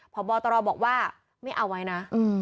พบตรบอกว่าไม่เอาไว้นะ